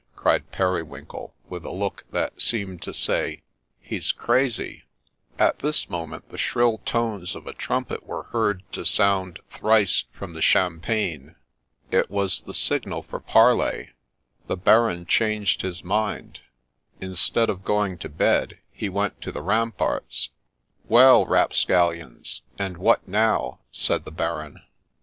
' cried Periwinkle, with a look that seemed to say, ' He 's crazy !' At this moment the shrill tones of a trumpet were heard to sound thrice from the champaign. It was the signal for parley : the Baron changed his mind ; instead of going to bed, he went to the ramparts. ' Well, rapscallions ! and what now ?' said the Baron.